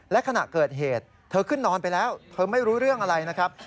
และขณะเกิดเหตุเธอขึ้นนอนไปแล้วเธอไม่รู้เรื่องอะไรนะครับ